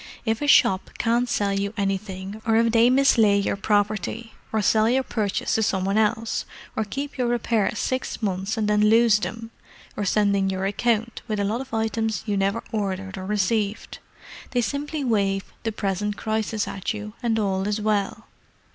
"If a shop can't sell you anything, or if they mislay your property, or sell your purchase to some one else, or keep your repairs six months and then lose them, or send in your account with a lot of items you never ordered or received, they simply wave 'the present crisis' at you, and all is well."